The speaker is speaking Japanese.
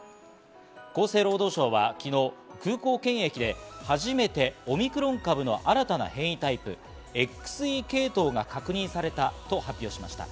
厚生労働省は昨日、空港検疫で初めてオミクロン株の新たな変異タイプ・ＸＥ系統が確認されたと発表しました。